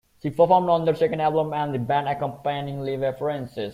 She performed on their second album and the band's accompanying live appearances.